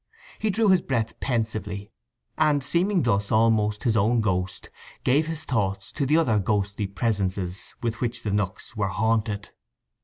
He drew his breath pensively, and, seeming thus almost his own ghost, gave his thoughts to the other ghostly presences with which the nooks were haunted.